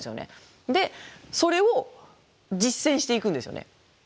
でそれを実践していくんですよね。